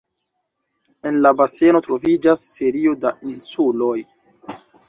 En la baseno troviĝas serio da insuloj.